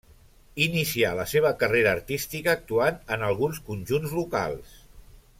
Inicià la seva carrera artística actuant en alguns conjunts locals.